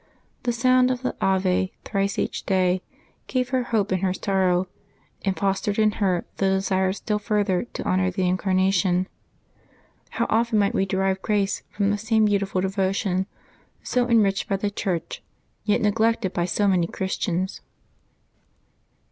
The sound of the Ave Pebbuabt 5] LIVES OF THE SAINTS 63 thrice each day gave her hope in her sorrow, and fostered in her the desire still further to honor the Incarnation. How often might we derive grace from the same beautiful devotion, so enriched by the Church, yet neglected by so many Christians!